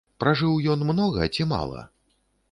Пражыў ён многа ці мала?